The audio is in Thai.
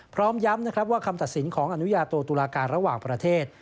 พร้อมย้ำนะครับว่าคำตัดสินของอนุญาโตตุลาการระหว่างประเทศ